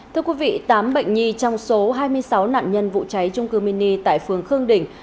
thưa quý vị tám bệnh nhi trong số hai mươi sáu nạn nhân vụ cháy trung cư mini tại phường khương đình